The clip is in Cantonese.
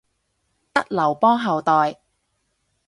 得劉邦後代